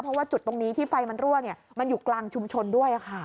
เพราะว่าจุดตรงนี้ที่ไฟมันรั่วมันอยู่กลางชุมชนด้วยค่ะ